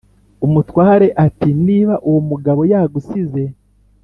umutware ati"niba uwomugabo yagusize